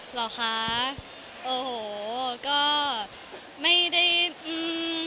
เหรอคะโอ้โหก็ไม่ได้อืม